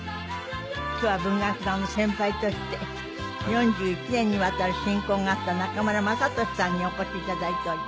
今日は文学座の先輩として４１年にわたる親交があった中村雅俊さんにお越し頂いております。